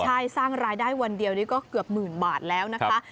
ใช่สร้างรายได้วันเดียวนี้ก็เกือบหมื่นบาทแล้วนะคะ